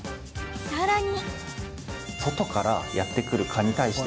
さらに。